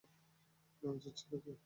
না, উচিত ছিল কি?